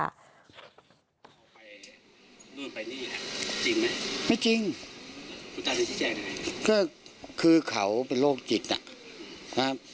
ไปนู่นไปนี่จริงมั้ยไม่จริงคือเขาเป็นโรคจิตน่ะนะครับ